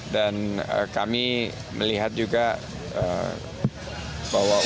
dan kami melihat juga bahwa umatnya